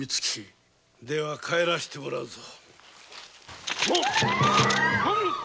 では帰らせてもらうぞ。